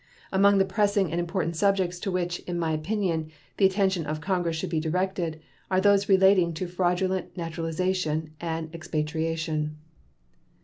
Among the pressing and important subjects to which, in my opinion, the attention of Congress should be directed are those relating to fraudulent naturalization and expatriation.